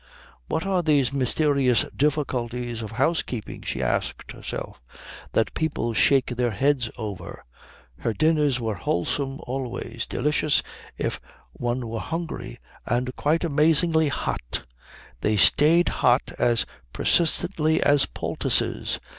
What are these mysterious difficulties of housekeeping, she asked herself, that people shake their heads over? Her dinners were wholesome always, delicious if one were hungry, and quite amazingly hot. They stayed hot as persistently as poultices.